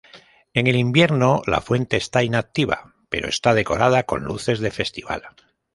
En el invierno, la fuente está inactiva, pero está decorada con luces de festival.